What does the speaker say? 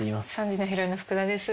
３時のヒロインの福田です。